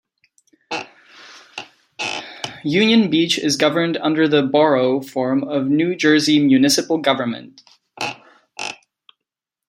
Union Beach is governed under the Borough form of New Jersey municipal government.